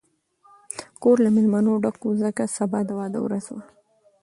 کور له مېلمنو ډک و، ځکه سبا د واده ورځ وه.